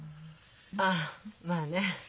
あっまあね。